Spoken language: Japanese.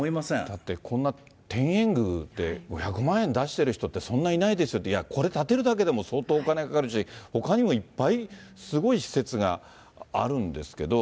だって、こんな天苑宮で、５００万円出してる人って、そんないないですよって、いや、これ建てるだけでも相当お金かかるし、ほかにもいっぱい、すごい施設があるんですけど。